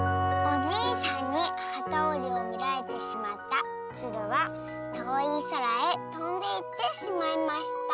「おじいさんにはたおりをみられてしまったつるはとおいそらへとんでいってしまいました」。